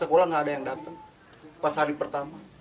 mungkin ada yang datang pas hari pertama